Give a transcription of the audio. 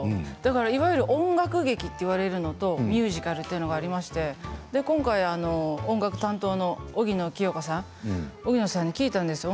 いわゆる音楽劇と言われているのとミュージカルというのがありまして今回、音楽担当の荻野清子さん。荻野さんに聞いたんですよ